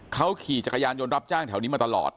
เขาขี่จักรยานยนต์รับจ้างแถวนี้มาตลอด